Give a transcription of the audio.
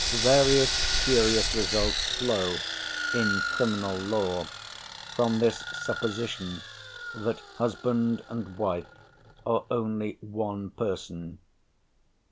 Various curious results flow, in criminal law, from this supposition that husband and wife are only one person.